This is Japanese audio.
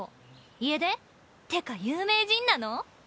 家出？ってか有名人なの？